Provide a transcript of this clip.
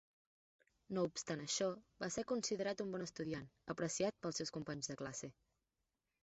No obstant això, va ser considerat un bon estudiant, apreciat pels seus companys de classe.